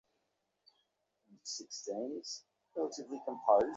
এখন, তুমি যদি একটু আশ্বাস দাও তা হলে নাহয় দু-দিন সবুর করতেও পারি।